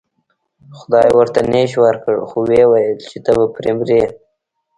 خدای ورته نیش ورکړ خو و یې ویل چې ته به پرې مرې.